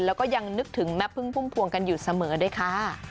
แล้วก็ยังนึกถึงแม่พึ่งพุ่มพวงกันอยู่เสมอด้วยค่ะ